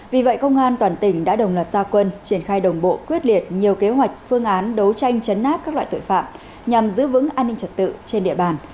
vì vậy công an toàn tỉnh đã đồng loạt gia quân triển khai đồng bộ quyết liệt nhiều kế hoạch phương án đấu tranh chấn áp các loại tội phạm nhằm giữ vững an ninh trật tự trên địa bàn